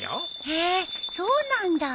へえそうなんだ。